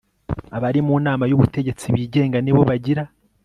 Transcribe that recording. Abari mu nama y ubutegetsi bigenga nibo bagira